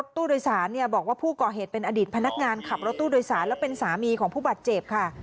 ตู้โดยสารบอกว่าผู้ก่อเหตุเป็นอดีตพนักงานขับรถตู้โดยสารและเป็นสามีของผู้บาดเจ็บค่ะ